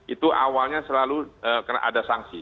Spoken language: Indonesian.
itu awalnya selalu karena ada sanksi